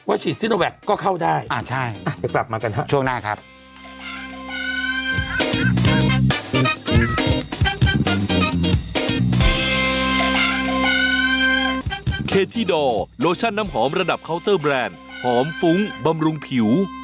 วัชฌีสินโอแหวคก็เข้าได้จะกลับมากันครับช่วงหน้าครับอ่าใช่